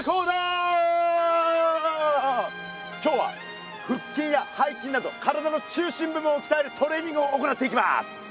今日はふっきんやはいきんなど体の中心部分をきたえるトレーニングを行っていきます。